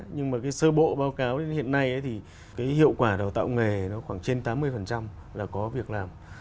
nhưng mà cái sơ bộ báo cáo đến hiện nay thì cái hiệu quả đào tạo nghề nó khoảng trên tám mươi là có việc làm